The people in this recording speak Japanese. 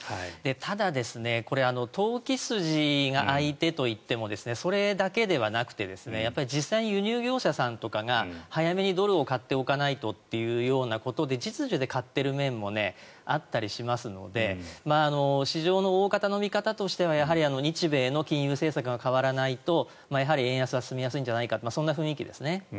ただ、これ投機筋が相手といってもそれだけではなくて実際に輸入業者さんとかが早めにドルを買っておかないとというようなことで実情で買っている面もあったりしますので市場の大方の見方としては日米の金融政策が変わらないと円安は進みやすいんじゃないかという雰囲気ですね。